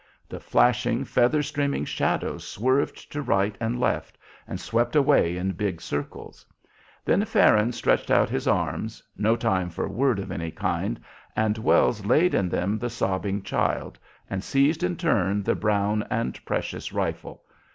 The flashing, feather streaming shadows swerved to right and left, and swept away in big circles. Then Farron stretched out his arms, no time for word of any kind, and Wells laid in them the sobbing child, and seized in turn the brown and precious rifle.